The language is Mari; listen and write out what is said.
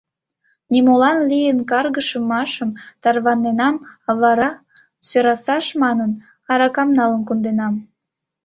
Нимолан лийын каргашымашым тарватенам, а вара, сӧрасаш манын, аракам налын конденам.